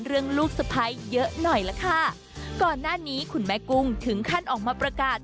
ลูกสะพ้ายเยอะหน่อยล่ะค่ะก่อนหน้านี้คุณแม่กุ้งถึงขั้นออกมาประกาศ